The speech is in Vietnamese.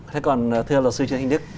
thế còn thưa lột sư trương hình đức